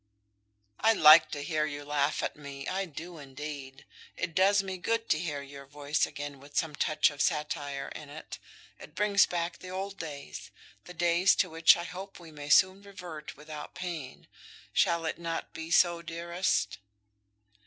"I like to hear you laugh at me, I do, indeed. It does me good to hear your voice again with some touch of satire in it. It brings back the old days, the days to which I hope we may soon revert without pain. Shall it not be so, dearest?"